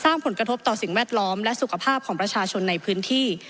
สร้างผลกระทบต่อสิ่งแวดล้อมและสุขภาพของประชาชนในพื้นที่